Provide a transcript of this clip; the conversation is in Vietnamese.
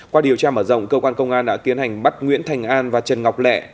qua điều tra mở rộng cơ quan công an đã tiến hành bắt nguyễn thành an và trần ngọc lẹ